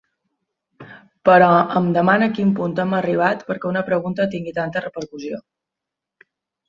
Però em deman a quin punt hem arribat perquè una pregunta tingui tanta repercussió.